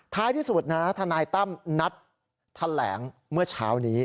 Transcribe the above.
ท้ายที่สุดนะทนายตั้มนัดแถลงเมื่อเช้านี้